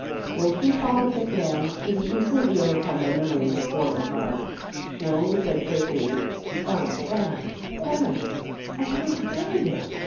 When she saw the sick man, she was completely overcome by memories of former times. She only said shakily, "Oh, Baron, Baron! I cannot bear this!